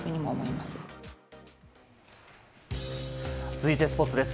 続いて、スポーツです。